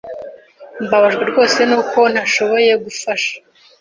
Mbabajwe rwose nuko ntashoboye gufasha.